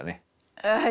はい。